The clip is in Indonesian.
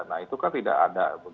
nah itu kan tidak ada